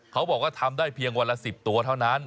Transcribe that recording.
เขาบอกว่าทำได้เพียงวันละ๑๐ตัวเท่านั้น